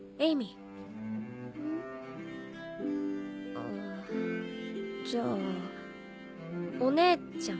あぁじゃあ「お姉ちゃん」。